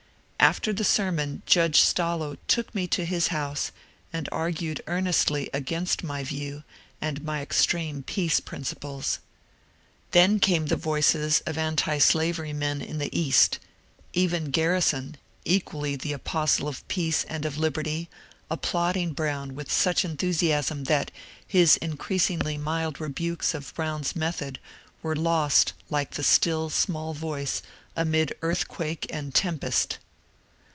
After the sermon Judge Stallo took me to his house, and argued earnestly against my view and my extreme peace principles. Then came the voices of antislavery men in the East, — even Garrison, equally the apostle of peace and of liberty, applauding Brown with such enthusiasm that his increasingly mild rebukes of Brown's method were lost like the still small voice amid earthquake and tempest.